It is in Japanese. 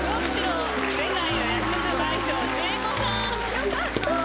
よかった。